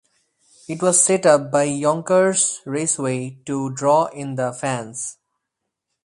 It was set up by Yonkers Raceway to draw in the fans.